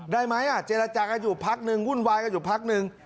ได้ไหมเจรจากันอยู่พักนึงวุ่นวายกันอยู่พักนึง